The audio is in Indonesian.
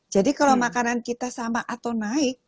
jadi kalau makanan kita sama atau naik